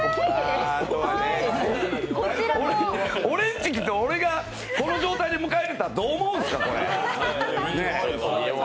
俺んち来て、俺がこういう状態で出迎えたら、どう思うんすか？